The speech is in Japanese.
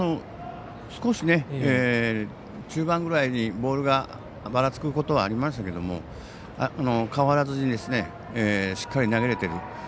少し、中盤ぐらいにボールがばらつくことはありましたけども変わらずにしっかり投げれている。